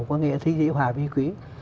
có nghĩa là thích dĩ hòa vi quý